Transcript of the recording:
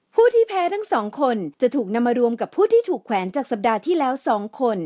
ผู้ที่แพ้ทั้งสองคนจะถูกนำมารวมกับผู้ที่ถูกแขวนจากสัปดาห์ที่แล้ว๒คน